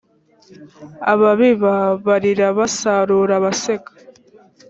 ababiba barira basarura abaseka